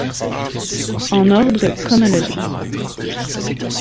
En ordre chronologique.